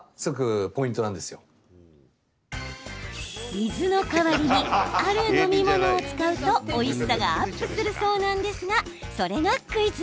水の代わりにある飲み物を使うとおいしさがアップするそうなんですがそれがクイズ。